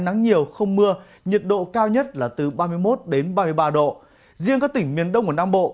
nắng nhiều không mưa nhiệt độ cao nhất là từ ba mươi một đến ba mươi ba độ riêng các tỉnh miền đông của nam bộ